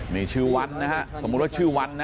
นี่ชื่อวันนะฮะสมมุติว่าชื่อวันนะ